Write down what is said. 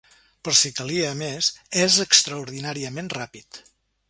Per si calia, a més, és extraordinàriament ràpid.